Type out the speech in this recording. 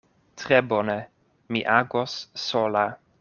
Tre bone: mi agos sola.